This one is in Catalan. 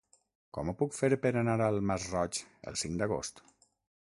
Com ho puc fer per anar al Masroig el cinc d'agost?